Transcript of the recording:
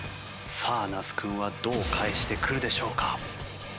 さあ那須君はどう返してくるでしょうか？